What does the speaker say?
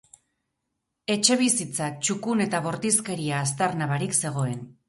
Etxebizitza txukun eta bortizkeria aztarna barik zegoen.